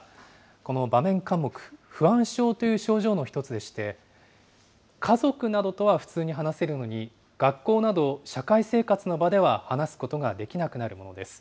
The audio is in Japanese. この場面かん黙、不安症という症状の一つでして、家族などとは普通に話せるのに、学校など社会生活の場では話すことができなくなるものです。